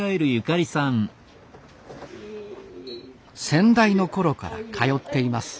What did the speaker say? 先代の頃から通っています。